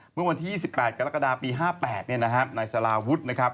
เมื่อวันที่๒๘กรกฎาปี๕๘นายสาราวุฒินะครับ